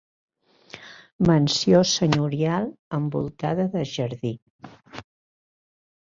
Mansió senyorial envoltada de jardí.